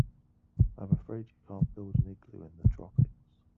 I'm afraid you can't build an igloo in the tropics.